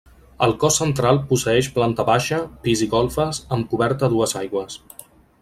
El cos central posseeix planta baixa, pis i golfes, amb coberta a dues aigües.